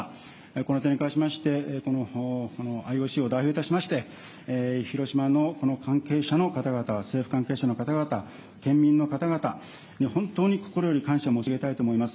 この点に関しまして、このＩＯＣを代表いたしまして、広島の関係者の方々、政府関係者の方々、県民の方々に本当に心より感謝申し上げたいと思います。